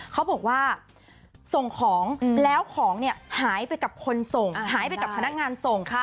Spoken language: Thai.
เขาบอกว่าส่งของแล้วของเนี่ยหายไปกับคนส่งหายไปกับพนักงานส่งค่ะ